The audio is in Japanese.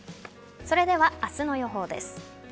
それでは明日の予報です。